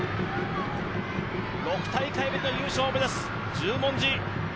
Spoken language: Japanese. ６大会ぶりの優勝を目指す十文字。